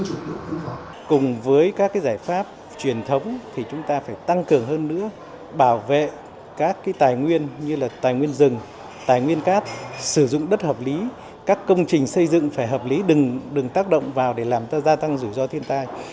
nhưng cùng với các cái giải pháp truyền thống thì chúng ta phải tăng cường hơn nữa bảo vệ các tài nguyên như là tài nguyên rừng tài nguyên cát sử dụng đất hợp lý các công trình xây dựng phải hợp lý đừng tác động vào để làm cho gia tăng rủi ro thiên tai